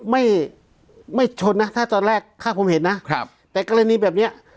ไม่ไม่ชนนะถ้าตอนแรกถ้าผมเห็นนะครับแต่กรณีแบบเนี้ย